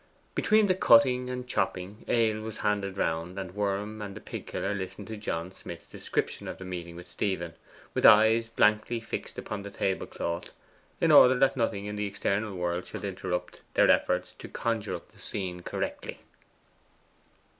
Between the cutting and chopping, ale was handed round, and Worm and the pig killer listened to John Smith's description of the meeting with Stephen, with eyes blankly fixed upon the table cloth, in order that nothing in the external world should interrupt their efforts to conjure up the scene correctly.